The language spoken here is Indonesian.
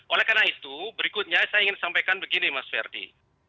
oleh karena itu berikutnya saya ingin sampaikan begini mas ferdi